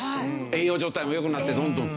栄養状態も良くなってどんどん。